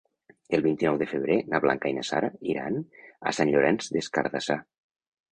El vint-i-nou de febrer na Blanca i na Nara iran a Sant Llorenç des Cardassar.